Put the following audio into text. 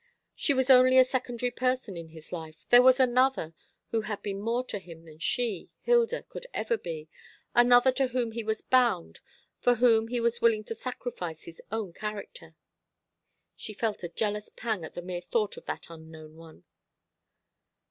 She was only a secondary person in his life. There was another who had been more to him than she, Hilda, could ever be another to whom he was bound, for whom he was willing to sacrifice his own character. She felt a jealous pang at the mere thought of that unknown one.